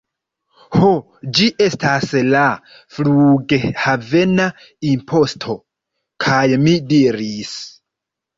Ho, ĝi estas la... flughavena imposto. kaj mi diris: